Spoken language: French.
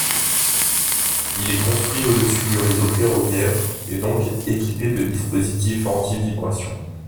Il est construit au-dessus du réseau ferroviaire et donc équipé de dispositifs anti-vibrations.